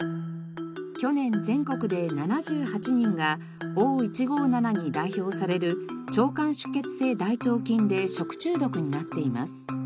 去年全国で７８人がＯ１５７に代表される腸管出血性大腸菌で食中毒になっています。